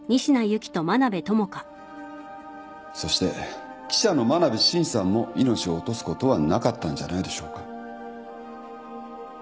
そして記者の真鍋伸さんも命を落とすことはなかったんじゃないでしょうか。